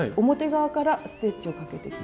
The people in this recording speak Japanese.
表からステッチをかける。